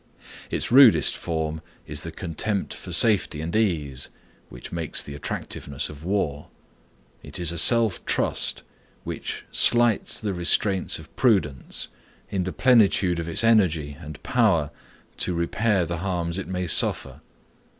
Its rudest form is the contempt for safety and ease, which makes the attractiveness of war. It is a self trust which slights the restraints of prudence, in the plenitude of its energy and power to repair the harms it may suffer.